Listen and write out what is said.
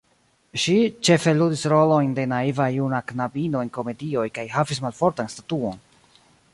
Ŝi ĉefe ludis rolojn de naiva juna knabino en komedioj kaj havis malfortan statuon.